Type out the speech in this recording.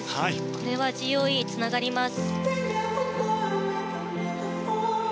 これはＧＯＥにつながります。